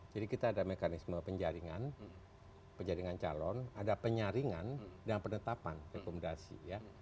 jadi kita ada mekanisme penjaringan penjaringan calon ada penyaringan dan penetapan rekomendasi